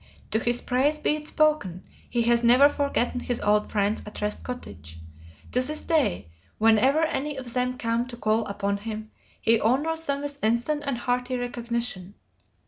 To his praise be it spoken, he has never forgotten his old friends at Rest Cottage. To this day, whenever any of them come to call upon him, he honors them with instant and hearty recognition.